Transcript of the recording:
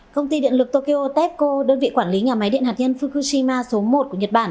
công ty điện lực tokyo tepco đơn vị quản lý nhà máy điện hạt nhân fukushima số một của nhật bản